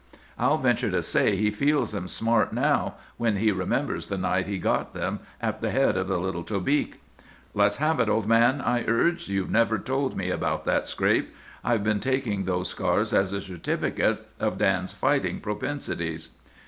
I'll venture to say he feels them smart now, when he remembers the night he got them at the head of the Little Tobique.' "'Let's have it, old man,' I urged. 'You've never told me about that scrape. I've been taking those scars as a certificate of Dan's fighting propensities.